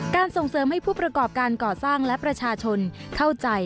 ส่งเสริมให้ผู้ประกอบการก่อสร้างและประชาชนเข้าใจ